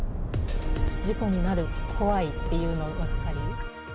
事故になる、怖いっていうのばっかり。